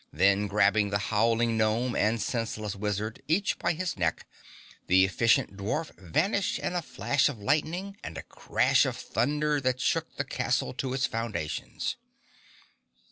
Then grabbing the howling gnome and senseless wizard, each by his neck, the efficient dwarf vanished in a flash of lightning and a crash of thunder that shook the castle to its foundations.